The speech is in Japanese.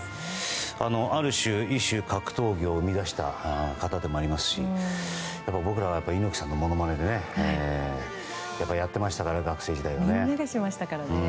ある種、異種格闘技を生み出した方でもありますし僕らは猪木さんのものまねをやっていましたから学生時代は。